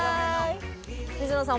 水野さん